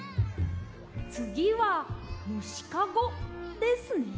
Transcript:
つぎはむしかごですね。